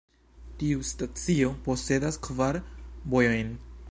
Tiu stacio posedas kvar vojojn.